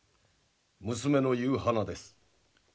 娘の夕花です。